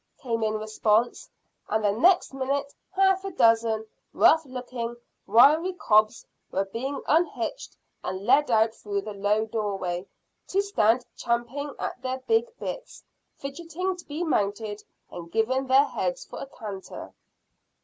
came in response, and the next minute half a dozen rough looking wiry cobs were being unhitched and led out through the low doorway, to stand champing their big bits, fidgeting to be mounted and given their heads for a canter.